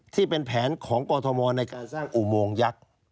ที่เป็นแผนของกรทมในการสร้างอุโมงยักษ์